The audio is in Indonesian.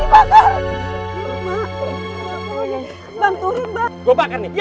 gua bakar nih mobil